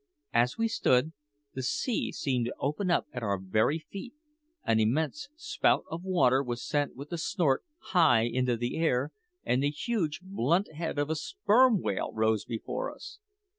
As we stood, the sea seemed to open up at our very feet; an immense spout of water was sent with a snort high into the air, and the huge, blunt head of a sperm whale rose before us.